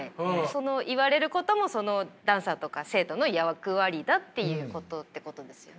その言われることもダンサーとか生徒の役割だっていうことですよね。